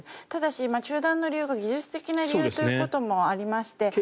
ただし中断の理由が技術的な理由ということもありまして。